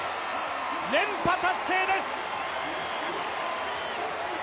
連覇達成です。